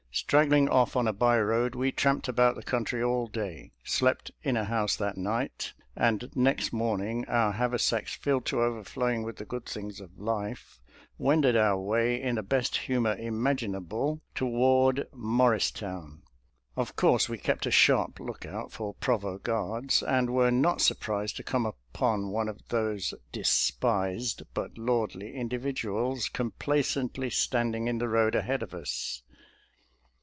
Strag gling off on a by road, we tramped about the country all day, slept in a house that night, and next morning — our haversacks filled to overflow ing with the good things of life — wended our way, in the best humor imaginable, toward Mor ristown. Of course we kept a sharp lookout for provost guards, and were not surprised to come upon one of those despised but lordly individuals, complacently standing in the road ahead of us.